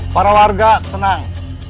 para warga tenang